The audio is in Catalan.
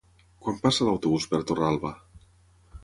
Quan passa l'autobús per Torralba?